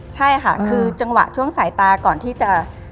ใช่ค่ะคือจังหวะช่วงสายตาก่อนที่จะ